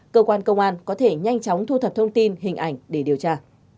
cơ quan công an có thể nhanh chóng thu thập thông tin hình ảnh để điều tra